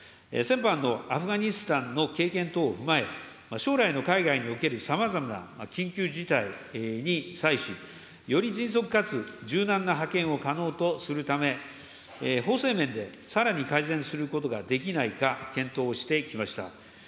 先般のアフガニスタンの経験等を踏まえ、将来の海外におけるさまざまな緊急事態に際し、より迅速かつ柔軟な派遣を可能とするため、法制面でさらに改善することができないか、検討してきました。